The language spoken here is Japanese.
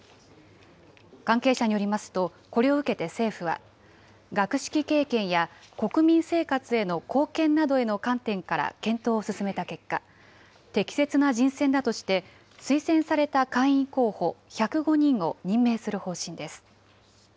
関係者によりますと、これを受けて政府は、学識経験や国民生活への貢献などへの観点から検討を進めた結果、適切な人選だとして、推薦された会員候補１０５人を任命する方針です。